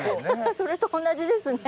それと同じですね。